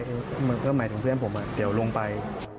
มันก็หมายถึงเพื่อนผมเดี๋ยวลงไป